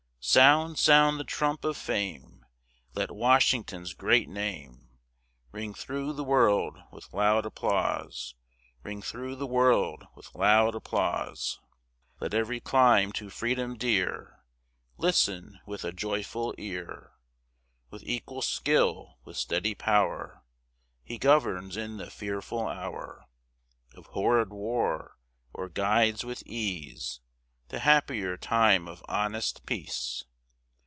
Sound, sound the trump of fame! Let Washington's great name Ring thro' the world with loud applause! Ring thro' the world with loud applause! Let ev'ry clime to freedom dear Listen with a joyful ear; With equal skill, with steady pow'r, He governs in the fearful hour Of horrid war, or guides with ease The happier time of honest peace.